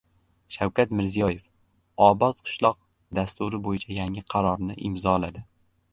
Shavkat Mirziyoyev «Obod qishloq» dasturi bo‘yicha yangi qarorni imzoladi